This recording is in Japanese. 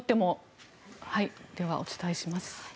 では、お伝えします。